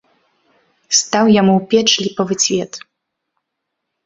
Стаў яму ў печ ліпавы цвет.